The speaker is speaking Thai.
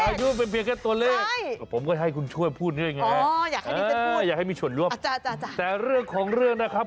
อายุเป็นเพียงแค่ตัวเลขผมก็ให้คุณช่วยพูดเนี่ยอย่างนี้แหละอยากให้มีชนรวมแต่เรื่องของเรื่องนะครับ